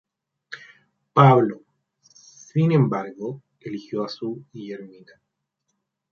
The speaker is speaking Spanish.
Pablo, sin embargo, eligió a su Guillermina.